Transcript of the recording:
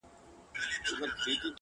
په اور کي سوځي